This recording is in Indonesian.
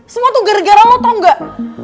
semua tuh gara gara lo tau gak